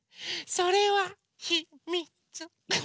それはひ・み・つ。